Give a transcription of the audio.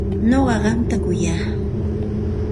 Nuqa qamta kuyaq.